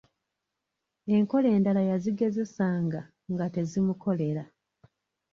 Enkola endala yazigezesanga nga tezimukolera.